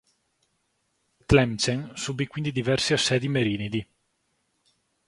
Tlemcen subì quindi diversi assedi merinidi.